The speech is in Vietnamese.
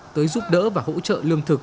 tới giúp đỡ và hỗ trợ lương thực